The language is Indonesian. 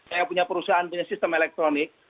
yang punya perusahaan punya sistem elektronik